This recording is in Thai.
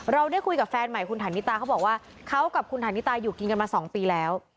เราได้คุยกับแฟนใหม่คุณฐานิตาเขาบอกว่าเขากับคุณฐานิตาอยู่กินกันมา๒ปีแล้ว